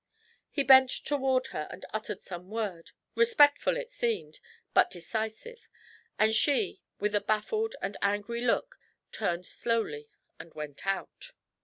He bent toward her, and uttered some word, respectful it seemed, but decisive, and she, with a baffled and angry look, turned slowly and went out.